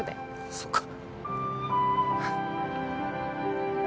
そっか。